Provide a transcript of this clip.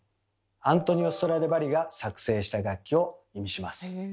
アントニオ・ストラディヴァリが作製した楽器を意味します。